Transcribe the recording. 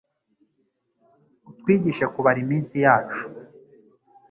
Utwigishe kubara Iminsi yacu,